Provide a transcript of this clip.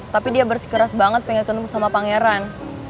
tapi dia bersikeras banget pengen ketemu sama pangeran